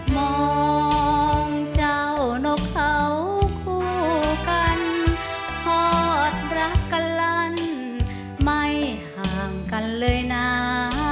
มองเจ้านกเขาคู่กันทอดรักกันลั่นไม่ห่างกันเลยนะ